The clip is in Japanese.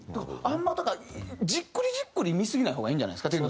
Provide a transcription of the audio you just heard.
あんまりだからじっくりじっくり見すぎない方がいいんじゃないですか？